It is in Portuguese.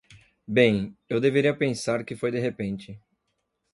Bem, eu deveria pensar que foi de repente!